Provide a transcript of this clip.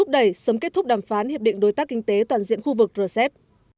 đẩy sớm kết thúc đàm phán hiệp định đối tác kinh tế toàn diện khu vực rcep